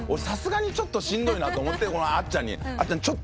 さすがにちょっとしんどいなと思ってあっちゃんに「あっちゃん。